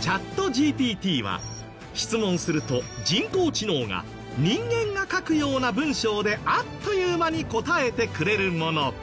チャットＧＰＴは質問すると人工知能が人間が書くような文章であっという間に答えてくれるもの。